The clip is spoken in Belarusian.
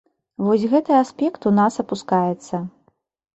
Вось гэты аспект у нас апускаецца.